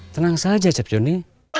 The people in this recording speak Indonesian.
tenang saja cap jonny